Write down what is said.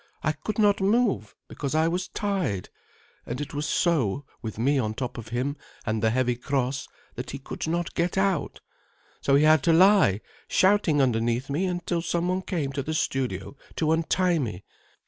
I could not move, because I was tied. And it was so, with me on top of him, and the heavy cross, that he could not get out. So he had to lie shouting underneath me until some one came to the studio to untie me.